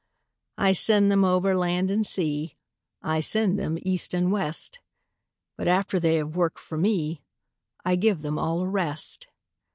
I send them over land and sea, I send them east and west; But after they have worked for me, I give them all a rest.